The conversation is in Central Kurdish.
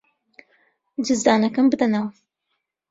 جزدانەکەم بدەنەوە.